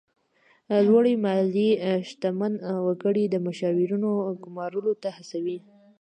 لوړې مالیې شتمن وګړي د مشاورینو ګمارلو ته هڅوي.